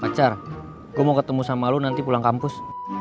pacar gue mau ketemu sama lo nanti pulang kampus